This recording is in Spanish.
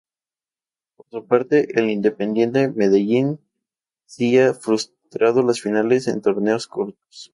Por su parte el Independiente Medellín si ha disfrutado las finales en torneos cortos.